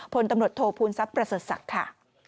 พลตำรวจโทภูนทรัพย์ประสดศักดิ์ค่ะ